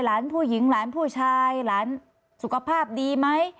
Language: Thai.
หลานผู้หญิงหลานผู้ชายหลานสุขภาพดีไหม